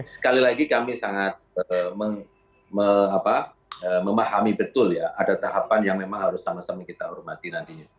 sekali lagi kami sangat memahami betul ya ada tahapan yang memang harus sama sama kita hormati nantinya